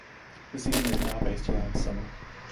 The season is now based around summer.